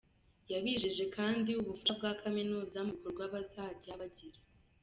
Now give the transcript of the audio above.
Yabijeje kandi ubufasha bwa kaminuza mu bikorwa bazajya bagira.